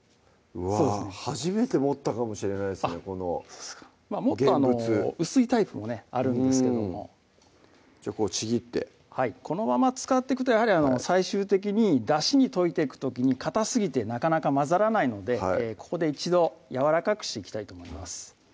うわぁ初めて持ったかもしれないですねこの現物もっと薄いタイプもあるんですけどもじゃあちぎってはいこのまま使っていくとやはり最終的にだしに溶いていく時にかたすぎてなかなか混ざらないのでここで一度やわらかくしていきたいと思います